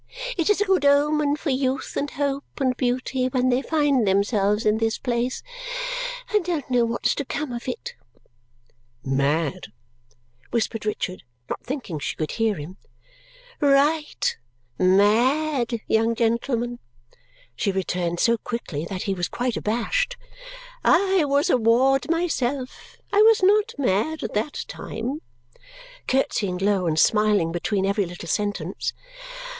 It is a good omen for youth, and hope, and beauty when they find themselves in this place, and don't know what's to come of it." "Mad!" whispered Richard, not thinking she could hear him. "Right! Mad, young gentleman," she returned so quickly that he was quite abashed. "I was a ward myself. I was not mad at that time," curtsying low and smiling between every little sentence.